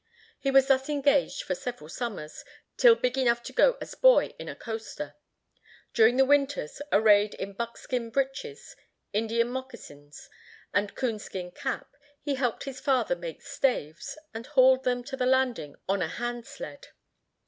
He was thus engaged for several summers, till big enough to go as boy in a coaster. During the winters, arrayed in buckskin breeches, Indian moccasons, and a coon skin cap, he helped his father make staves, and hauled them to the landing on a hand sled.